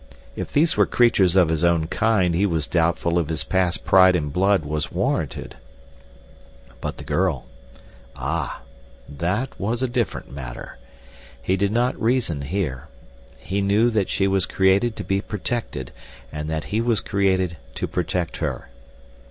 If these were creatures of his own kind he was doubtful if his past pride in blood was warranted. But the girl, ah—that was a different matter. He did not reason here. He knew that she was created to be protected, and that he was created to protect her.